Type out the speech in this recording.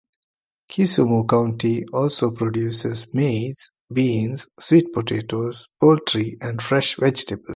Kisumu County also produces maize, beans, sweet potatoes, poultry and fresh vegetables.